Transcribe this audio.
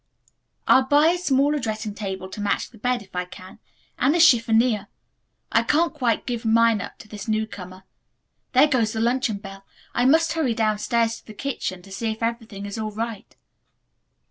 "I'll buy a smaller dressing table to match the bed, if I can, and a chiffonier. I can't quite give mine up to this newcomer. There goes the luncheon bell. I must hurry downstairs to the kitchen to see if everything is all right."